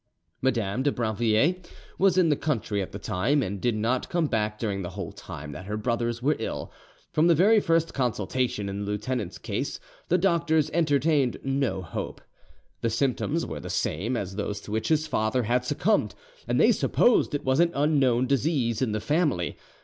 Madame de Brinvilliers was in the country at the time, and did not come back during the whole time that her brothers were ill. From the very first consultation in the lieutenant's case the doctors entertained no hope. The symptoms were the same as those to which his father had succumbed, and they supposed it was an unknown disease in the family.